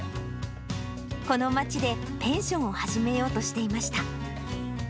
この町でペンションを始めようとしていました。